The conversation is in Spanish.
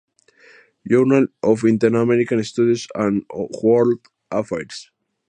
Journal of Interamerican Studies and World Affairs.